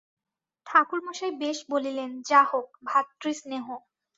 ঠাকুরমশায় বেশ বলিলেন যা হোক, ভ্রাতৃস্নেহ!